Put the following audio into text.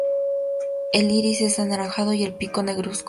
El iris es anaranjado y el pico negruzco.